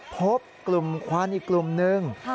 พบกลุ่มควันอีกกลุ่มนึง